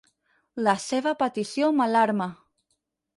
La seva petició m'alarma.